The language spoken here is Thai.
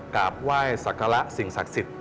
กราบไหว้สักการะสิ่งศักดิ์สิทธิ